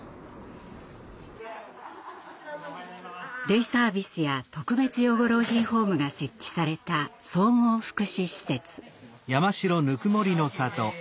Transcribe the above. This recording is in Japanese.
デイサービスや特別養護老人ホームが設置された総合福祉施設。